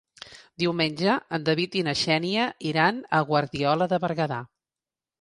Diumenge en David i na Xènia iran a Guardiola de Berguedà.